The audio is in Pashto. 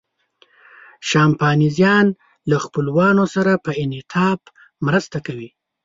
شامپانزیان له خپلوانو سره په انعطاف مرسته کوي.